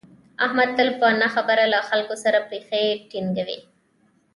احمد تل په نه خبره له خلکو سره پښې ټینگوي.